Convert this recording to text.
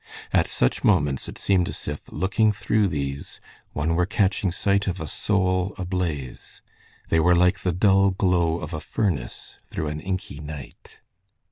At such moments it seemed as if, looking through these, one were catching sight of a soul ablaze. They were like the dull glow of a furnace through an inky night.